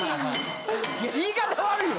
言い方悪いわ。